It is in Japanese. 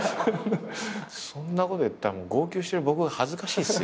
そんなこと言ったら号泣してる僕が恥ずかしいっすよ。